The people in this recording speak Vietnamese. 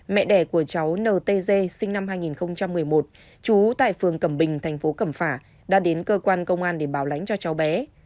mẹ đẻ của cháu n t g sinh năm hai nghìn một mươi một chú tại phường cẩm bình thành phố cẩm phà đã đến cơ quan công an để bảo lãnh cho cháu bé